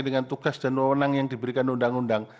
dengan tugas dan wawonang yang diberikan undang undang